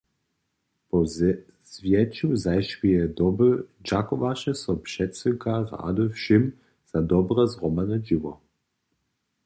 Po zjeću zašłeje doby dźakowaše so předsydka rady wšěm za dobre zhromadne dźěło.